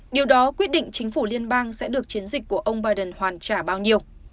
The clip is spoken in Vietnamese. điều đó quyết định chính phủ liên bang sẽ được chiến dịch của ông biden hoàn trả bao nhiêu